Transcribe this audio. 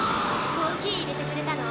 コーヒーいれてくれたの？